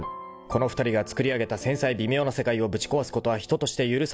［この２人がつくり上げた繊細微妙な世界をぶち壊すことは人として許されるのか］